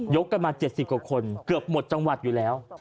กันมา๗๐กว่าคนเกือบหมดจังหวัดอยู่แล้ว